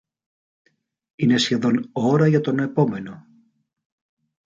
Είναι σχεδόν ώρα για τον επόμενο